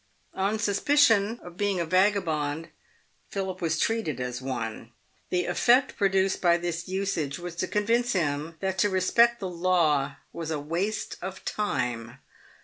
On suspicion of being a vagabond, Philip was treated as one. The effect produced by this usage was to convince him that to respect the law was a waste of time.